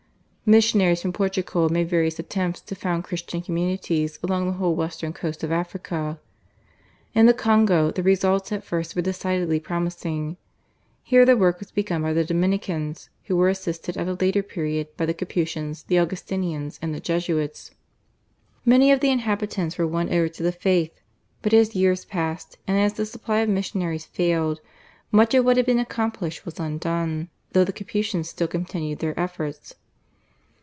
Missionaries from Portugal made various attempts to found Christian communities along the whole western coast of Africa. In the Congo the results at first were decidedly promising. Here the work was begun by the Dominicans, who were assisted at a later period by the Capuchins, the Augustinians, and the Jesuits. Many of the inhabitants were won over to the faith, but as years passed, and as the supply of missionaries failed, much of what had been accomplished was undone, though the Capuchins still continued their efforts.